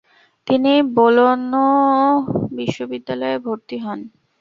তিনি বোলোনা বিশ্ববিদ্যালয়ে ভর্তি হন।